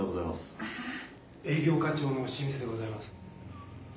営業課長の清水でございます。